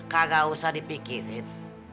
kagak usah dipikirin